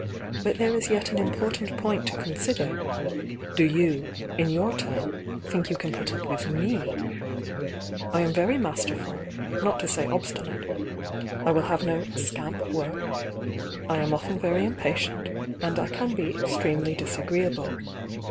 But there is yet an important point to consider, — do you, in your turn, think you can put up with rnef I am very masterful, not to say obstinate ; I will have no 'scamp' work, — I am often very impatient, and I can be extremely disagree able.